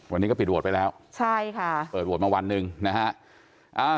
วันนี้ก็ปิดโหวตไปแล้วใช่ค่ะเปิดโหวตมาวันหนึ่งนะฮะ